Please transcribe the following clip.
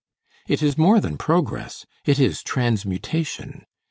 It is more than progress; it is transmutation.